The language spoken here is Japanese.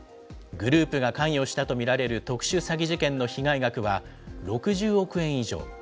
グループが関与したと見られる特殊詐欺事件の被害額は６０億円以上。